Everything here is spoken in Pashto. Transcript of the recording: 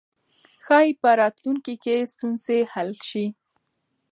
ښايي په راتلونکي کې ستونزې حل شي.